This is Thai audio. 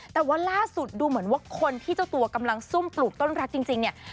แต่ว่าล่าสุดดูเหมือนว่าคนที่เจ้าตัวกำลังซุ่มปลูกต้นรักจริงเนี่ย